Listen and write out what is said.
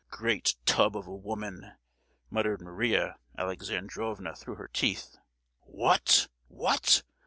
——" "Great tub of a woman!" muttered Maria Alexandrovna through her teeth. "What! what!